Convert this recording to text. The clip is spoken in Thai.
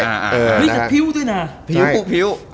และเพียวด้วยนะ